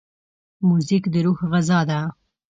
موزیک د روح غذا ده.